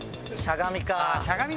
しゃがみか。